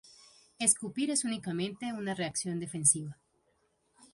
Escupir es únicamente una reacción defensiva.